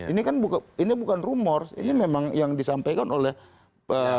ini kan bukan rumor ini memang yang disampaikan oleh salah seorang pimpinan kpk waktu itu